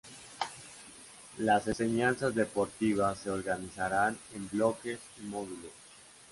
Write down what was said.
Las enseñanzas deportivas se organizarán en bloques y módulos.